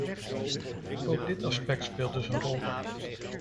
Ook dit aspect speelt dus een rol.